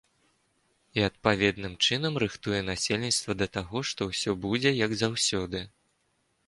І адпаведным чынам рыхтуе насельніцтва да таго, што ўсё будзе, як заўсёды.